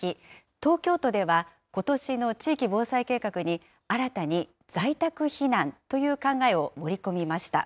東京都では、ことしの地域防災計画に、新たに在宅避難という考えを盛り込みました。